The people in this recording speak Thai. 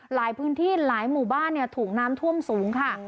หลายพื้นที่หลายหมู่บ้านถูกน้ำท่วมสูงค่ะ